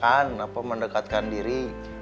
kenapa mendekatkan diri